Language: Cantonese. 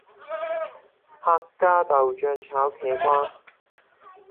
客家豆酱炒茄瓜